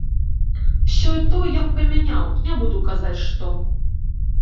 Сёе-тое я б памяняў, не буду казаць, што.